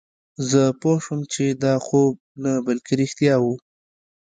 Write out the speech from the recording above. زه پوه شوم چې دا خوب نه بلکې رښتیا وه